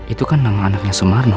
itu kan nama anaknya sumarno